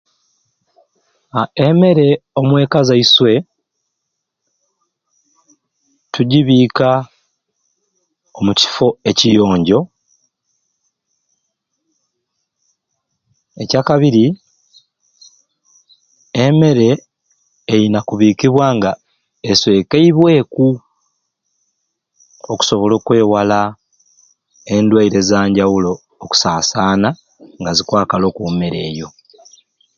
A emmere omweka zaiswe tugibiika omukifo ekiyonjo, ekyakabiri emmere einza kubiikibwa nga eswekeibweku okusobola okwewala endwaire ezanjawulo okusasaana nga zikwakala oku mmere eyo.